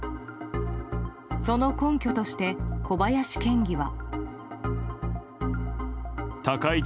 その根拠として小林県議は。